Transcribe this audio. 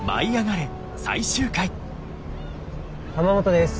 玉本です。